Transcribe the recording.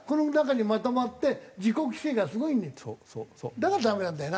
だからダメなんだよな。